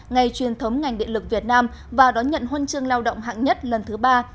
ngày truyền thống ngành điện lực việt nam và đón nhận huân chương lao động hạng nhất lần thứ ba